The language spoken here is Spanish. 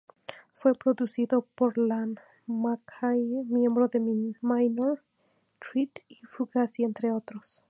Fue producido por Ian MacKaye, miembro de Minor Threat y Fugazi entre otros.